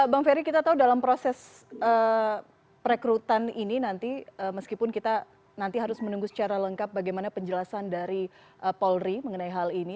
bang ferry kita tahu dalam proses perekrutan ini nanti meskipun kita nanti harus menunggu secara lengkap bagaimana penjelasan dari polri mengenai hal ini